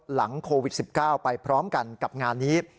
หลังโควิด๑๙ไปพร้อมกันกับงานนี้